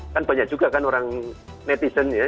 kan banyak juga kan orang netizen ya